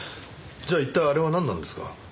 じゃあ一体あれはなんなんですか？